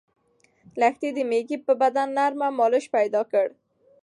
لښتې د مېږې په بدن نرمه مالش پیل کړ.